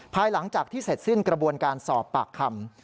ภายหลังจากที่เสร็จสิ้นกระบวนการสอบปากคำ